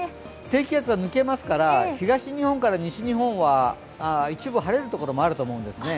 低気圧は抜けますから東日本から西日本は一部晴れる所もあると思うんですね。